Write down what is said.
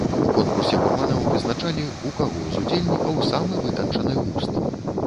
У конкурсе гурманаў вызначалі, у каго з удзельнікаў самы вытанчаны густ.